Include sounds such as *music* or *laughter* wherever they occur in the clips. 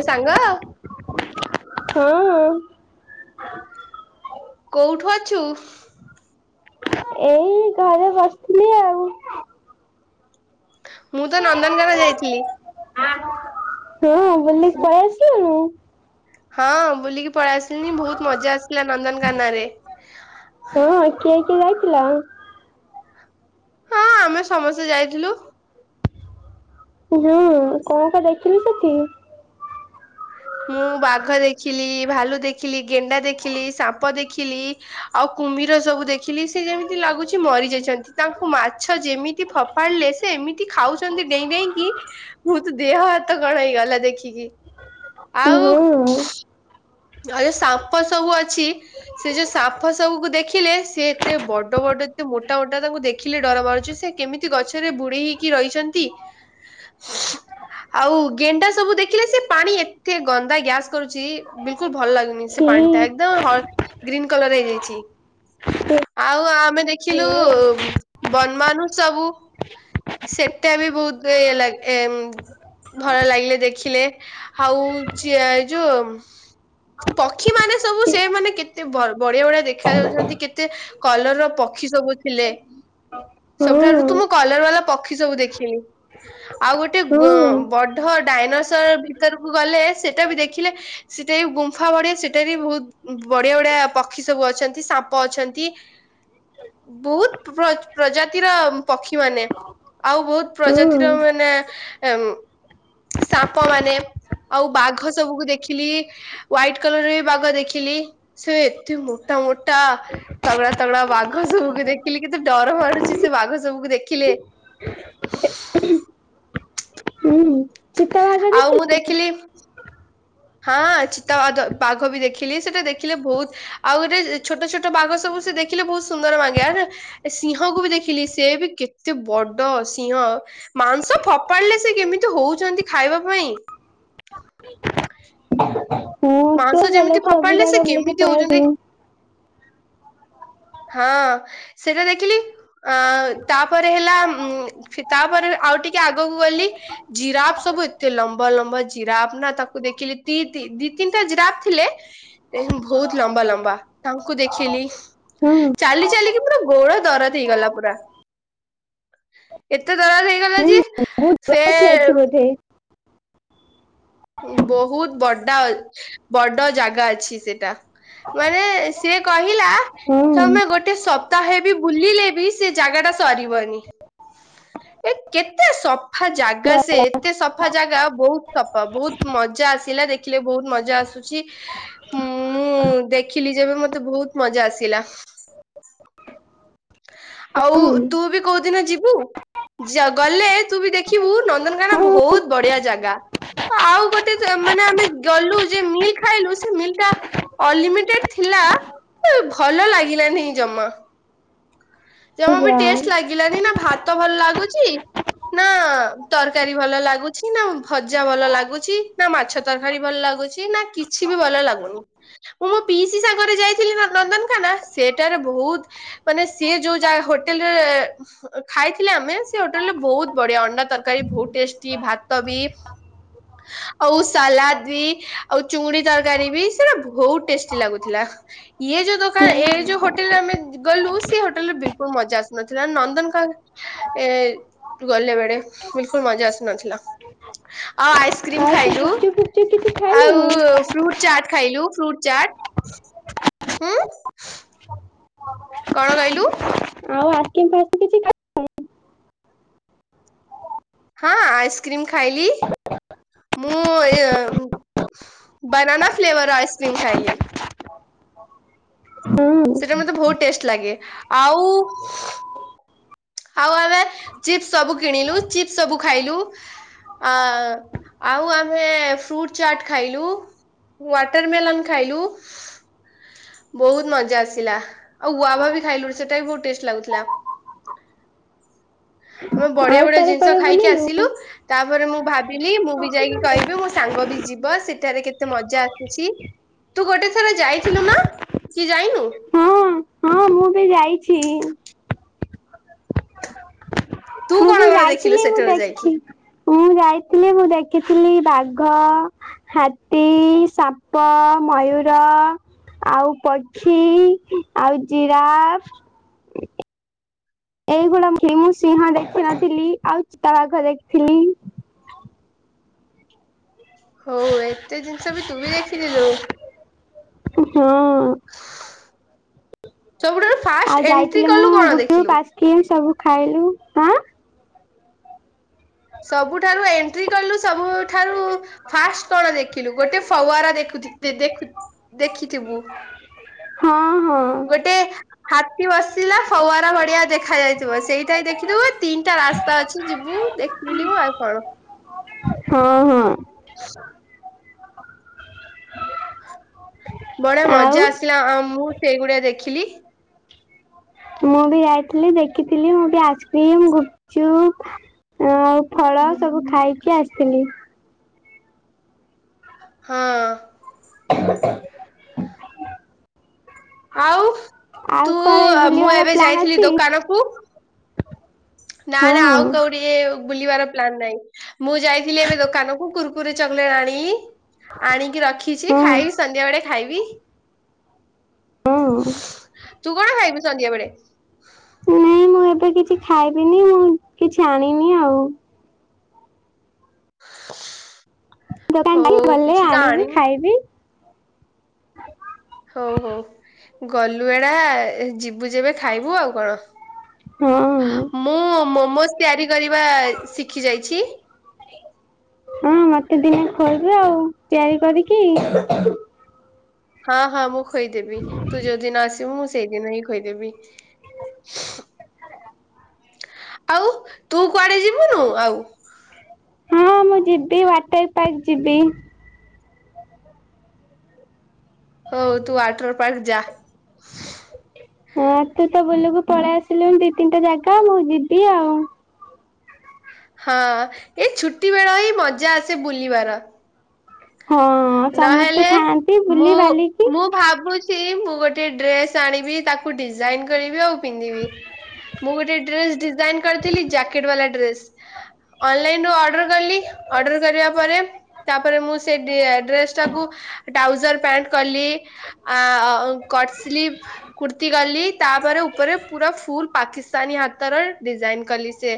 ସେ ସାଙ୍ଗ ଆଉ। ହଁ। କୋଉଠୁ ଅଛୁ? ଏଇ ଘରେ ବସିଥିଲି ଆଉ। ମୁଁ ତ ନନ୍ଦନକାନ ଯାଇଥିଲି। ତୁ ବୁଲିକି ପଳେଇ ଆସିଲୁଣୁ। ହଁ ବୁଲିକି ପଳେଇ ଆସିଲିନି ବହୁତ ମଜା ଆସିଲା ନନ୍ଦନକାନ ରେ। ହଁ କିଏ କିଏ ଯାଇଥିଲ? ହଁ ଆମେ ସମସ୍ତେ ଯାଇଥିଲୁ। ହୁଁ କଣ କଣ ଦେଖିଲୁ ସେଠି? ମୁଁ ବାଘ ଦେଖିଲି ଭାଲୁ ଦେଖିଲି ଗେଣ୍ଡା ଦେଖିଲି ସାପ ଦେଖିଲି ଆଉ କୁମୀର ସବୁ ଦେଖିଲି ସେ ଯେମିତି ଲାଗୁଛି ମରିଯାଇଛନ୍ତି ତାଙ୍କୁ ମାଛ ଯେମି ତି ଫପାଡିଲେ ସେ ଏମିତି ଖାଉଛନ୍ତି ଡେଇଁ ଡେଇଁକି ମୋର ତ ଦେହ ହାତ କଣ ହେଇଗଲା ଦେଖିକି ଆଉ ହଁ ନହେଲେ ଆଉ ସାପ ସବୁ ଅଛି। ସେ ଯୋଉ ସାପ ସବୁକୁ ଦେଖିଲେ ସେ ଏତେ ବଡ ବଡ ଏତେ ମୋଟା ମୋଟା ତାଙ୍କୁ ଦେଖିଲେ ଡର ମାଡୁଛି ସେ କେମିତି ଗଛରେ ବୁଡେଇ ହେଇକି ରହିଛନ୍ତି। ଆଉ ଗେଣ୍ଡା ସବୁ ଦେଖିଲେ ସେ ପାଣି ଏତେ ଗନ୍ଦା ଗ୍ୟାସ କରୁଛି। ବିଲିକୁଲ ଭଲ ଲାଗୁନି ସେ ଛି ପାଣି ଟା ଏକଦମ ହ ଗ୍ରୀନ୍ କଲର ହେଇଯାଇଛି। ଆଉ ଆମେ ଦେଖିଲୁ ଏ ବନମାନୁ ସବୁ ସେଟା ବି ବହୁତ ଇଏ ଲାଗେ ଏ ଭଲ ଲାଗିଲେ ଦେଖିଲେ ଆଉ ଚି ଏଇ ଯୋଉ ପକ୍ଷୀମାନେ ସବୁ ଚି ସେମାନେ କେତେ ବଢିଆ ବଢିଆ ଦେଖା ଯାଉଛନ୍ତି କେତେ କଲର ର ପକ୍ଷୀ ସବୁ ଥିଲେ। ହଁ। ସବୁଠାରୁ ତୁ କଲର ବାଲା ପକ୍ଷୀ ସବୁ ଦେଖିଲି। ଆଉ ଗୋଟେ ଗ ହଁ ବଢ ଡାଇନସର ଭିତରକୁ ଗଲେ ସେଟା ବି ଦେଖିଲେ ସେଟା ବି ଗୁମ୍ଫା ବଢିଆ ସେଟା ବି ବହୁତ ବଢିଆ ବଢିଆ ପକ୍ଷୀ ସବୁ ଅଛନ୍ତି, ସାପ ଅଛନ୍ତି ବହୁତ ପ୍ର -ପ୍ରଜାତିର ପକ୍ଷୀ ମାନେ ଆଉ ବହୁତ ହଁ ପ୍ରଜାତିର ମାନେ ଆ ସାପ ମାନେ ଆଉ ବାଘ ସବୁକୁ ଦେଖିଲି ହ୍ୱାଇଟ୍ କଲର୍ ରେ ବି ବାଘ ଦେଖିଲି ସେ ଏତେ ମୋଟା ମୋଟା ତଗଡା ତଗଡା ବାଘ ସବୁକୁ ଦେଖିଲି କେତେ ଡର ମାଡ଼ୁଚି ସେ ବାଘ ସବୁକୁ ଦେଖିଲେ। ହୁଁ। ଚିତାବାଘ ଆଉ ଦେଖିଲୁ? ମୁଁ ଦେଖିଲି ହଁ ଚିତାବାଦ ବାଘ ବି ଦେଖିଲି ସେଇଟା ଦେଖିଲେ ବହୁତ୍ ଆଉ ଗୋଟେ ଛୋଟ ଛୋଟ ବାଘ ସବୁ ସେ ଦେଖିଲେ ବହୁତ ସୁନ୍ଦର ଲାଗେ ଏ ସିଂହକୁ ବି ଦେଖିଲି ସେ ବି କେତେ ବଡ ସିଂହ ମାଂସ ଫୋପାଡିଲେ ସେ କେମିତି ହଉଚନ୍ତି ଖାଇବା ପାଇଁ। ହଁ ତୁ ମାଂସ ଭଲ ଯେମିତି ତୁ ସବୁ ଫୋପାଡିଲେ ଜାଗା ସେ ବୁଲିକି କେମିତି ପଳେଇ ହଉଚନ୍ତି ଆସିବୁ। ହଁ ସେରା ଦେଖିଲି ଆଁ ତାପରେ ହେଲା ଉ ତାପରେ ଆଉ ଟିକେ ଆଗକୁ ଗଲି ଜିରାପ୍ ସବୁ ଏତେ ଲମ୍ବା ଲମ୍ବା ଜିରାପ୍ ନା ତାକୁ ଦେଖିଲି ଦି- ଦି ତିନିଟା ଜିରାପ ଥିଲେ ଏ ବହୁତ ଲମ୍ବା ଲମ୍ବା ତାଙ୍କୁ ଦେଖିଲି ହଁ ଚାଲି ଚାଲିକି ପୁରା ଗୋଡ ଦରଜ ହେଇଗଲା ପୁରା। ଏତେ ଦରଜ୍ ହେଇଗଲା ଯେ ସେ ଏଠି ଅଛି ବୋଧେ। ବହୁତ ବଡା ଅଛ୍ ବଡ ଜାଗା ଅଛି ସେଟା। ମାନେ ସିଏ କହିଲା ହଁ ତମେ ଗୋଟେ ସପ୍ତାହେବି ବୁଲିଲେ ବି ସେ ଜାଗା ଟା ସରିବନି ଏ କେତେ ସଫା ଜାଗା ଗ ସେ ଏତେ ସଫା ଜାଗା ବହୁତ ସଫା ବହୁତ ମଜା ଆସିଲା ଦେଖିଲେ ବହୁତ ମଜା ଆସୁଚି। ମୁଁ ଦେଖିଲି ଯେବେ ମତେ ବହୁତ ମଜା ଆସିଲା। ଆଉ ହଁ ତୁ ବି କୋଉଦିନ ଯିବୁ? ଜ ଗଲେ ତୁବି ଦେଖିବୁ ନନ୍ଦନକାନ ହଁ ବହୁତ ବଢିଆ ଜାଗା। ଆଉ ଗୋଟେ ମାନେ ଆମେ ଗଲୁ ଯେ ମିଲ୍ ଖାଇଲୁ ସେ ମିଲ୍ ଟା।। ଅନଲିମିଟେଡ୍ ଥିଲା ଭଲ ଲାଗିଲାନି ଜମା। ଜମା ବି ଯା ଟେଷ୍ଟ ଲାଗିଲାନି ନା ଭାତ ଭଲ ଲାଗୁଚି।। ନା ତରକାରୀ ଭଲ ଲାଗୁଚି ନା ଭଜା ଭଲ ଲାଗୁଚି ନା ମାଛ।। ତରକାରୀ ଭଲ ଲାଗୁଚି ନା କିଛି ବି ଭଲ ଲାଗୁନି। ମୁଁ ମୋ ପିଇସି ସାଙ୍ଗରେ ଯାଇଥିଲି ନନ୍ଦନଖାନା ସେଟାରେ ବହୁତ ମାନେ ସେ।। ସିଏ ଯୋଉ ଯା ହୋଟେଲରେ।। ଖାଇଥିଲେ ଆମେ ସେ ହୋଟେଲ ରେ ବହୁତ ବଢିଆ ଅଣ୍ଡା ତରକାରୀ ବହୁତ ଟେଷ୍ଟି ଭାତ ବି।। ଆଉ ସାଲାଡ୍ ବି ଆଉ ଚୁଙ୍ଗୁଡି ତରକାରୀ ବି ସେଟା ବହୁତ ଟେଷ୍ଟି ଲାଗୁଥିଲା। ଇଏ ଯୋଉ ଦୋକାନ ଏ ହୁଁ। ଯୋଉ ହୋଟେଲରେ ଆମେ ଗଲୁ।। ସେ ହୋଟେଲ ରେ ବିଲକୁଲ୍ ମଜା ଆସୁନଥିଲା ନନ୍ଦନଖା ଏ। ଗଲେ ବେଳେେ ବିଲକୁଲ୍ ମଜା ଆସିନଥିଲା। ଆଉ ଆଇସ୍କ୍ରିମ୍ ଆଉ ସେ ଖାଇଲୁ ଗୁପଚୁପ ଫୁପଚୁପ କିଛି ଖାଇଲୁନୁ? ଆଉ।। ଫ୍ରୁଟ୍ ଚାଟ୍ ଖାଇଲୁ ଫ୍ରୁଟ୍ ଚାଟ୍ ହୁଁ। କ'ଣ କହିଲୁ? ଆଉ କିଛି *unintelligible* ହଁ ଆଇସ୍କ୍ରିମ୍ ଖାଇଲି। ମୁଁ ବାନାନା ଫ୍ଲେଭର୍ ଆଇସ୍କ୍ରିମ୍ ଖାଇଲି। ସେଇଟା ହଁ ମତେ ବହୁତ୍ ଟେଷ୍ଟ ଲାଗେ ଆଉ ଆଉ ଆମେ ଚିପ୍ସ ସବୁ କିଣିଲୁ ଚିପ୍ସ ସବୁ ଖାଇଲୁ ଆ ଆଉ ଆମେ ଫ୍ରୁଟ ଚାଟ ଖାଇଲୁ। ୱାଟରମେଲନ୍ ଖାଇଲୁ। ବହୁତ ମଜା ଆସିଲା ଆଉ ଗୁଆଭ ବି ଖାଇଲୁଣି ସେଟା ବି ବହୁତ ଟେଷ୍ଟ ଲାଗୁଥିଲା। ଆମେ ବଢିଆ ଆଉ ବଢିଆ କୁଆଡେ ଜିନିଷ କୁଆଡେ ଖାଇକି ବୁଲିଲୁ? ଆସିଲୁ ତାପରେ ମୁଁ ଭାବିଲି ମୁଁ ବି ଯାଇକି କହିବି ମୋ ସାଙ୍ଗ ବି ଯିବ ସେଠାରେ କେତେ ମଜା ଆସୁଛି। ତୁ ଗୋଟେ ଥରେ ଯାଇଥିଲୁ ନା, କି ଯାଇନୁ? ଏବେ ଯାଇଛି। ତୁ ମୁ କଣ ବି କଣ ଦେଖିଲୁ ଯାଇଥିଲି। ମୁଁ ସେଠାରୁ ଯାଇକି? ଦେଖି ମୁଁ ଯାଇଥିଲି ମୁଁ ଦେଖିଥିଲି ବାଘ। ହାତୀ, ସାପ, ମୟୁର।। ଆଉ ପକ୍ଷି, ଆଉ ଜିରାଫ। ଏଇଗୁଡା ମୁଁ ସିଂହ ଦେଖିନଥିଲି ଆଉ ଚିତା ଵାଘ ଦେଖିଥିଲି। ହଉ ଏତେ ଜିନିଷ ବି ତୁ ବି ଦେଖିଥିଲୁ। ହଁ ସବୁଠାରୁ ଫାଷ୍ଟ ଆଉ ଏଣ୍ଟ୍ରି ଯାଇଥିଲି କଲୁ ମୁଁ କଣ ଗୁଡୁ।। ଦେଖିଲୁ? କିଏ ସବୁ ଖାଇଲୁ ହଁ। ସବୁଠାରୁ ଏ କିଲୁ ସବୁଠାରୁ ଫାଷ୍ଟ କଣ ଦେଖିଲୁ ଗୋଟେ ଫୱାର ଦେ *unintelligible* ଦେଖିଥିବୁ। ହଁ ହଁ ଗୋଟେ ହାତୀ ବସିଲା ଫୱାର ଭଡିଆ ଦେଖା ଯାଇଥିବ ସେଇଟା ହ ଦେଖିଥିବୁ ତିନିଟା ରାସ୍ତା ଅଛି ଯିବୁ। ବୁଲିବୁ ଆଉ କ'ଣ? ହଁ ହଁ ବଢଆ ଆଉ ମଜା ଆସିଲା ଆ ମୁଁ ସେଇଗୁଡଆ ଦେଖିଲି। ମୁଁ ବି ଯାଇଥିଲି ଦେଖିଥିଲି ମୁଁ ବି ଆଇସ୍କ୍ରିମ ଗୁପଚୁପ। ଆଉ ଫଳ ସବୁ ଖାଇକି ଆସିଥିଲି। ହଁ ଆଉ ଆଉ ତୁ କୁଆଡେ ମୁଁ ବୁଲିବାର ଏବେ ପ୍ଲାନ୍ ଯାଇଥିଲି। ଅଛି ଦୋକାନ କୁ।। ନା ହଁ ନା ଆଉ କଉ ଟଏ ବୁଲିବାର ପ୍ଲାନ ନାଇଁ ମୁଁ ଯାଇଥିଲି ଏବେ ଦୋକାନ କ କୁୁରକୁ ଚଲେଟ ଆଣି ଆଣିକି ରଖିଛି ହଁ ଖାଇବି ସନ୍ଧ୍ୟା ବଳେ ଖାଇବି ହଁ ତୁ କଣ ଖାଇବୁ ସନ୍ଧ୍ୟା ବେଳେ? ନାଇଁ ମୁଁ ଏବେ କିଛି ଖାଇବିନି ମୁଁ କିଛି ଆଣିନି ଆଉ ଦୋକାନ ହଉ ଟ ଗଲେ କିଛି ତ ଆଣିବି ଆଣିନି ଖାଇବି ହଉ ହଉ ଗଲୁ ଏଡା ଯିବୁ ଯେବେ ଖାଇବୁ ଆଉ କଣ ହଁ ମୁଁ ମୋମୋଜ ତିଆରି କରିବା ଶିଖି ଯାଇଛି। ହଁ ମତେ ଦିନେ ଖୋଳିବୁ ଆଉ ତିଆରି କରିକି ହଁ, ହଁ, ମୁଁ ଖଦେବି ତୁ ଯୋଉ ଦିନ ଆସିବୁ ମୁଁ ସେଇଦିନ ହିଁ ଖଇଦେବି। ଆଉ ତୁ କୁଆଡେ ଯିବୁ? ହଁ ମୁଁ ଯିବି ୱାଟର ପାର୍କ ଯିବି ହଉ ତୁ ୱାଟର ପାର୍କ ଯା ହଁ ତୁ ତ ବୁଲକୁ ପଳେଇ ଆସିଲୁ ଦି ତିନିଟା ଜାଗା ମୁଁ ଯିବି ଆଉ। ହଁ ଏ ଛୁଟି ବେଳ ହିଁ ମଜା ଆସେ ବୁଲିବାର ହଁ ସମସ୍ତେ ନହେଲେ ଥାଆନ୍ତି ମୁଁ ବୁଲି ବାଲିକି ମୁଁ ଭାବୁଛି ମୁଁ ଗୋଟେ ଡ୍ରେସ ଆଣିବି ତାକୁ ଡିଜାଇନ କରିବି ଆଉ ପିନ୍ଧିବି ମୁଁ ଗୋଟେ ଡ୍ରେସ ଡିଜାଇନ କରିଥିଲି ଜ୍ୟାକେଟ ବାଲା ଡ୍ରେସ। ଅନଲାଇନ ରୁ ଅର୍ଡର କଲି ଅର୍ଡର କରିବା ପରେ ତାପରେ ମୁଁ ସେଇ ଡ୍ରେସଟାକୁ ଟ୍ରାଉଜର ପ୍ୟାଣ୍ଟ କଲି। ଆ କଟ ସ୍ଲିଭ କୁର୍ତ୍ତି କଲି ତାପରେ ଉପରେ ପୁରା ଫୁଲ ପାଖି ସନି ହାତର ଡିଜାଇନ କଲି ସେ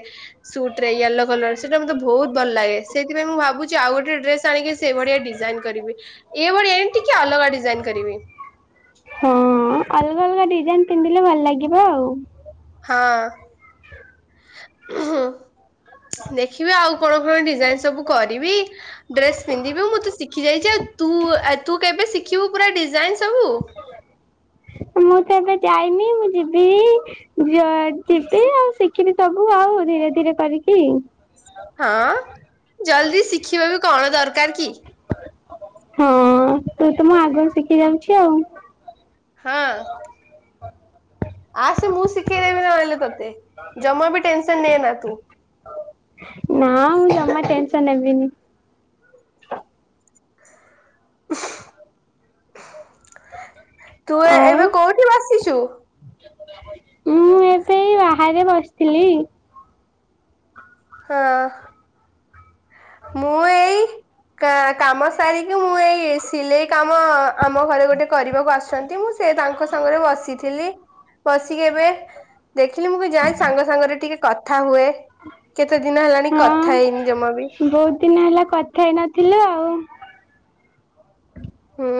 ସୁଟ ରେୟାଲ ର କଲର ସେଇଟା ମତେ ବହୁତ ଭଲ ଲାଗେ ସେଇଥିାଇଁ ମୁଁ ଭାବୁଛି ଆଉ ଗୋଟେ ଡ୍ରେସ ଆଣିକି ସେଇ ଭଳିଆ ଡିଜାଇନ କରିବି। କରିବି ଏଭଳିଆ ଏମିତି କି ଅଲଗା ଡିଜାଇନ କରିବି। ହଁ ଅଲଗା ଅଲଗା ଡିଜାଇନ ପିନ୍ଧିଲେ ଭଲ ଲାଗିବ ଆଉ। ହଁ ଦେଖିବି ଆଉ କଣ କଣ ଡିଜାଇନ ସବୁ କରିବି। ଡ୍ରେସ ପିନ୍ଧିବି ମୁଁ ତ ଶିଖି ଯାଇଛି ଆଉୁ ତୁ କେବେ ଶିଖିବୁ ପୁରା ଡିଜାଇନ ସବୁ। *inaudible* ମୁଁ ତ ଏବେ ଯାଇନି ମୁଁ ଯିବି। ଯୁଆଡେ ଯିବି ଆଉ ଶିଖିବି ସବୁ ଆଉ ଧୀରେ ଧୀରେ କରିକି। ହଁ ଜଲଦି ଶିଖିବା ବି କଣ ଦରକାର କି? ହଁ ତୁ ତ ମୁଁ ଆଗରୁ ଶିଖି ଯାଉଛି ଆଉ ହଁ ହ ଆସେ ମୁଁ ଶିଖେଇ ଦେେବି ନହେଲେ ତତେ ଜମା ବି ଟେନସନ ନେଏନା ତୁ। ନାଁ ଜମା ଟେନ୍ସନ ହେବିନି। ତୁ ଆଉ ଏବେ କୋଉଠି ବସିଛୁ। ମୁଁ ଏବେ ବାହାରେ ବସିଥିଲି। ହଁ ମୁଁ ଏଇ କାମ ସାରିକି ମୁଁ ଏଇ ସିଲେଇ କାମ ଆମ ଘରେ ଗୋଟେ କରିବାକୁ ଆସୁଛନ୍ତି ମୁ ସେ ତାଙ୍କ ସାଙ୍ଗରେ ବସିଥିଲି। ପଶିକି ଏବେ ଦେଖିଲି ମୁଁ ବି ଯାଏ ସାଙ୍ଗ ସାଙ୍ଗରେ ଟିକେ କଥା ହୁଏ। କେତେ ଦିନ ହେଲାଣି ହଁ କଥା ହେଇନି ଜମା ବି ବହୁତ ଦିନ ହେଲା କଥା ହେଇ ନଥିଲୁ ଆଉ। ହୁଁ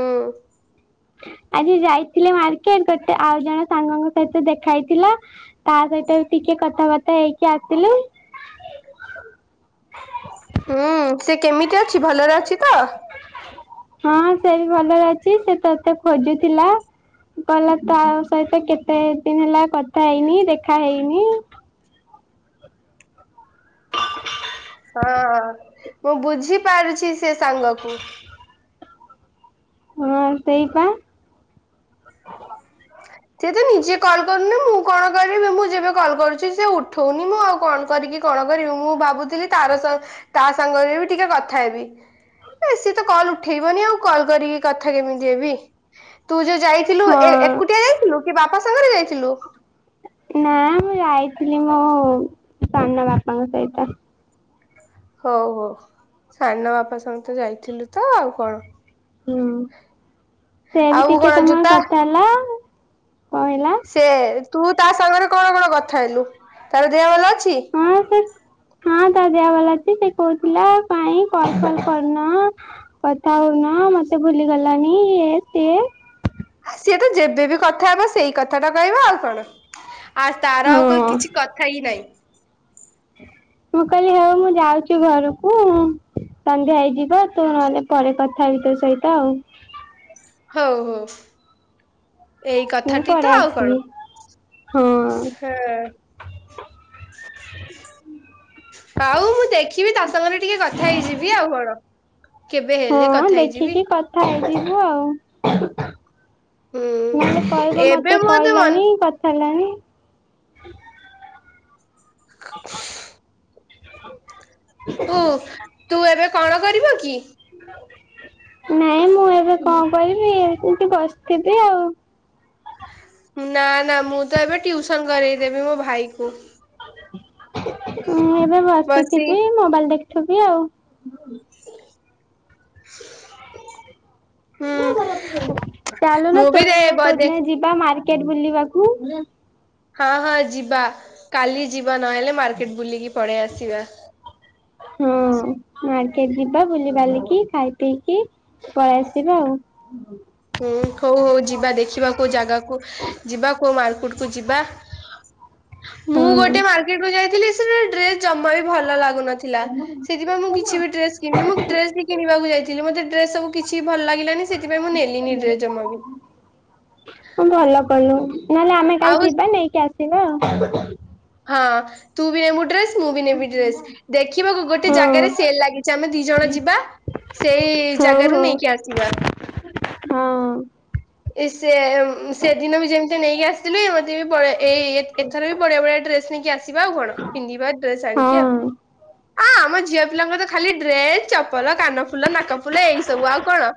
ଆଜି ଯାଇଥିଲି ମାର୍କେଟ ଗୋଟେ ଆଉ ଜଣ ସାଙ୍ଗଙ୍କ ସହିତ ଦେଖା ହେଇଥିଲା। ତା ସହିତ ଟିକେ କଥାବାର୍ତ୍ତା ହେଇକି ଆସିଲୁ। ହୁଁ ସେ କେମିତି ଅଛି ଭଲରେ ଅଛି ତ? ହଁ ସେ ବି ଭଲରେ ଅଛି ସେ ତତେ ଖୋଜୁଥିଲା। କହିଲା ତା ସହିତ କେତେ ଦିନ ହେଲା କଥା ହେଇନି ଦେଖା ହେଇନି। ହଁ। ମୁଁ ବୁଝିପାରୁଛି ସେ ସାଙ୍ଗକୁ। ହଁ ସେଇପା। ସିଏ ତ ନିଜେ କଲ୍ କରୁନ ମୁଁ କଣ କରିବି ମୁଁ ଯେବେ କଲ୍ କରୁଛି ସେ ଉଠଉନି ମୁଁ ଆଉ କଣ କରିକି କଣ କରିବି ମୁଁ ଭାବୁଥିଲି ତାର ତା ସାଙ୍ଗରେ ବି ଟିକେ କଥା ହେବି। ସିଏ ତ କଲ ଉଠେଇବନି ଆଉ କଲ କରିକି କଥା କେମିତି ହେବି ତୁ ଯୋଉ ଯାଇ ଥିଲୁ ଏ ଏକୁଟିଆ ହଁ ଯାଇଥିଲୁ କି ବାପା ସାଙ୍ଗରେ ଯାଇଥିଲୁ? ନା ମୁଁ ଯାଇଥିଲି ମୋ ସାନ ବାପାଙ୍କ ସହିତ। ହଉ ହଉ ସାନ ବାପା ସଙ୍ଗେତ ଯାଇଥିଲୁ ତ ଆଉ କଣ। ହୁଁ ସେ ବି ଆଉ ଟିକେ କଣ ସମୟ ଜୁତା କଥା ହେଲା କହିଲା ସେ ତୁ ତା ସାଙ୍ଗରେ କଣ କଣ କଥା ହେଲୁ ତାର ଦେହ ଭଲ ଅଛି? ହଁ ସେ ହଁ ତା ଦେହ ଭଲ ଅଛି ସେ କହୁଥିଲା ପାଇଁ କଲ ଫଲ କରୁନ କଥା ହଉନ ମତେ ଭୁଲିଗଲାଣି ଇଏ ସିଏ। ସିଏ ତ ଯେବେବି କଥା ହେବ ସେଇ କଥାତ କହିବା ଆଉ କଣ। ଆଉ ତାର ହଁ ଆଉ କ କିଛି କଥା ହିଁ ନାହିଁ। ମୁଁ କହିଲି ହଉ ମୁଁ ଯାଉଛି ଘରକୁ। ସନ୍ଧ୍ୟା ହେଇଯିବ ତୁ ନହେଲେ ପରେ କଥା ହେବି ତୋ ସହିତ ଆଉ। ହଉ ହଉ। ଏଇ ମୁଁ କଥାଟି ତ ପଳେଇ ଆଉ କଣ। ଆସିଲି ହଁ ହୁଁ ଆଉ ମୁଁ ଦେଖ୍ ଥିବି ତା ସଙ୍ଗରେ ଟିକେ କଥା ହେଇଯିବି ଆଉ କଣ। କେବେ ହେଲେ ହଁ କଥା ହେଇଯିବି ଦେଖିକି କଥା ହେଇଯିବୁ ଆଉ। ହୁଁ ନଏଲେ କଇବ ଏବେ ମତେ ମନ କଇଲାନି କଥା ଏଲାନି। *inaudible* *inaudible* ଓ ତୁ ଏବେ କଣ କରିବ କି? ନାଇଁ ମୁଁ ଏବେ କଁ କରିବି ଏତିତି ବସ୍ଥିବି ଆଉ। ନା ନା ମୁଁ ତ ଏବେ ଟିଉସନ୍ କରେଇଦେବି ମୋ ଭାଇ କୁ। ମୁଁ ଏବେ ବସି ବସିଥିବି ମୋବାଇଲ଼ ଦଖ୍ ଥିବି ଆଉ। ହୁଁ ଚାଲୁନ ମୁଁ ବି ତୋର୍ ଦେ ମୋର ବ କୋଉ ଦିନ ଦେଖି ଯିବା ମାର୍କେଟ ବୁଲିବାକୁ। ହଁ ହଁ ଯିବା କାଲି ଯିବା ନହେଲେ ମାର୍କେଟ୍ ବୁଲିକି ପଳେଇ ଆସିବା। *inaudible* ହଁ ମାର୍କେଟ୍ ଯିବା ବୁଲି ବାଲିକି ଖାଇ ପିକି ପଳେଇ ଆସିବା ଆଉ। ହୁଁ ହଉ ହଉ ଯିବା ଦେଖିବା କୋଉ ଜାଗାକୁ ଯିବା କୋଉ ମାର୍କୁଟ୍ କୁ ଯିବା। ମୁଁ ହଁ। ଗୋଟେ ମାର୍କେଟ୍ କୁ ଯାଇଥିଲି ସେରା ଡ୍ରେସ୍ ଜମା ବି ଭଲ ଲାଗୁନଥିଲା। ସେଥିପାଇଁ ମୁଁ କିଛି ବି ଡ୍ରେସ୍ କିଣ୍ନି ମୁଁ ଡ୍ରେସ୍ ବି କିଣିବାକୁ ଯାଇଥିଲି ମତେ ଡ୍ରେସ୍ ସବୁ କିଛି ବି ଭଲ୍ ଲାଗିଲାନି ସେଥିପାଇଁ ମୁଁ ନେଲି ଲିନି ଡ୍ରେ ଜମା ବି ଅଁ ଭଲ କଲୁ ନହେଲେ ଆମେ କାଲି ଆଉ ଯିବା ନେଇକି ଆସିବା ଆଉ। ହାଁ ତୁ ବି ନେବୁ ଡ୍ରେସ୍ ମୁଁ ବି ନେବି ଡ୍ରେସ୍ ଦେଖିବାକୁ ଗୋଟେ ହଁ। ଜାଗାରେ ସେଲ୍ ଲାଗିଛି ଆମେ ଦି ଜଣ ଯିବା। ସେଇ ହଉ ଜାଗାରୁ ହଉ ନେଇକି ଆସିବା। ହଁ। ଇସେ ସେଦିନ ବି ଯେମ୍ତି ନେଇକି ଆସ୍ଥିଲି ସିଏ ବି ବାରିଆ ଏଇ ଏଥର ବି ବଡ଼ିଆ ବଡ଼ିଆ ଡ୍ରେସ ନେଇକି ଆସ୍ ସିବା ଆଉ କଣ ପିନ୍ଧିବା ଡ୍ରେସ୍ ଆଣିକି ଆଉ ହଁ ଆ ଆମ ଝିଅ ପିଲାଙ୍କର ଖାଲି ଡ୍ରେସ୍ ଚପଲ କାନ ଫୁଲ ନାକ ଫୁଲ ଏଇ ସବୁ ଆଉ କଣ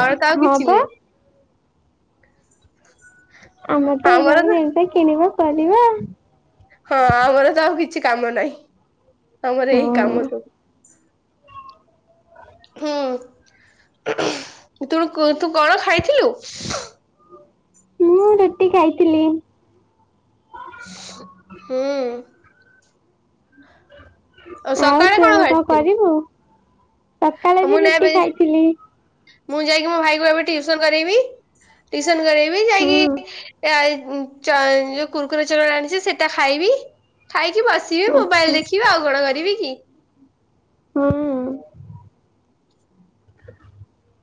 ଆମର ତ ଆଉ ହଁ କିଛି ପା। ନୁଏ। ଆମର୍ତ ଏଇ ଆମର ତ ଜାଗାରେ ଏମିତିଆ କିଣିବା ପରିବା ହଁ ଆମର ତ ଆଉ କିଛି କାମ ନାଇ ଆମର ଏ କାମ ହଁ। ତୋ। ହୁଁ ତୁକୁଡ଼ୁ ତୁ କଣ ଖାଇଥିଲୁ। ମୁଁ ରୁଟି କାଇଥିଲି। *inaudible* ହୁଁ ଆଉ ସକାଳେ ତୁ କଣ ଏବେ କଁ ଖାଇଥିଲୁ? କରିବୁ ସକାଳେ ମୁଁ ବି ନା ଏବେ ରୁଟି ଖାଇଥିଲି। ମୁଁ ଯାଇକି ମୋ ଭାଇ କୁ ଏବେ ଟିଉସନ କରେଇବି ଟିଉସନ କରେଇବି ହୁଁ ଯାଇକି ଚା ଯୋଉ କୁର୍କୁରେ ଚଉଳ ଆଣିଛି ସେଟା ଖାଇବି ଖାଇକି ବସ୍ *inaudible* ମୋବାଇଲ୍ ଆଚ୍ଛା ଦେଖିବି ଆଉ କଣ କରିବି କି। ହୁଁ *inaudible*